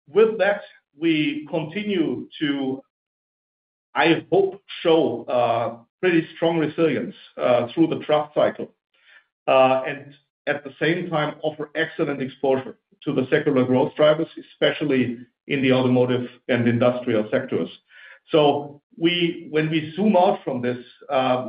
With that, we continue to, I hope, show pretty strong resilience through the trust cycle and at the same time offer excellent exposure to the secular growth drivers, especially in the automotive and industrial sectors. When we zoom out from this,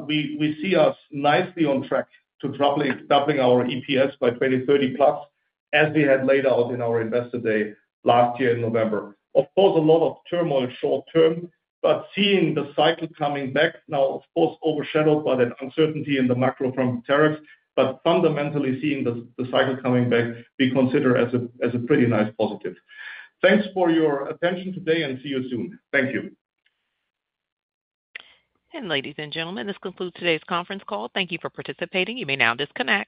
we see us nicely on track to doubling our EPS by 2030 plus as we had laid out in our Investor Day last year in November. Of course, a lot of turmoil short term, but seeing the cycle coming back now, of course, overshadowed by that uncertainty in the macro from tariffs, but fundamentally seeing the cycle coming back, we consider as a pretty nice positive. Thanks for your attention today and see you soon. Thank you. Ladies and gentlemen, this concludes today's conference call. Thank you for participating. You may now disconnect.